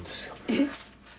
えっ！？